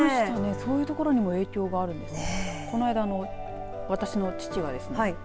そういうところにも影響があるんですね。